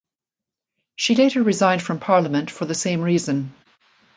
She later resigned from Parliament for the same reason.